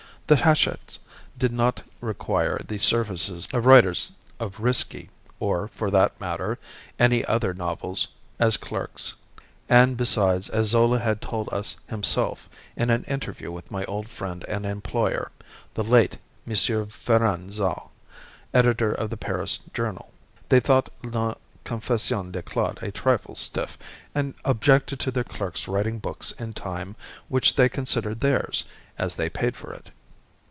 The Hachettes did not require the services of writers of risky, or, for that matter, any other novels, as clerks; and, besides, as Zola has told us himself, in an interview with my old friend and employer,[*] the late M. Fernand Xau, Editor of the Paris "Journal," they thought "La Confession de Claude" a trifle stiff, and objected to their clerks writing books in time which they considered theirs, as they paid for it.